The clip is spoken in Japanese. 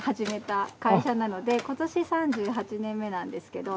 今年３８年目なんですけど。